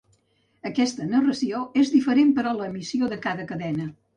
Aquesta narració és diferent per a l’emissió de cada cadena.